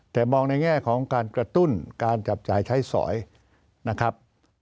แต่มองในแง่ของการกระตุ้นการจับจ่ายใช้สอยนะครับ